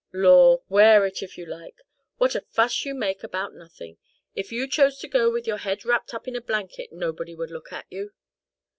"Law! wear it, if you like! what a fuss you make about nothing! If you chose to go with your head wrapped up in a blanket, nobody would look at you."